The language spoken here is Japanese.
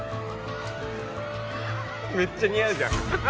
めっちゃ似合うじゃん。